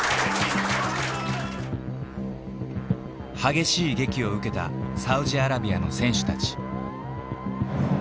激しいげきを受けたサウジアラビアの選手たち。